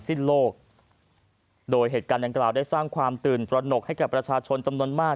สิ้นโลกโดยเหตุการณ์ดังกล่าวได้สร้างความตื่นตระหนกให้กับประชาชนจำนวนมาก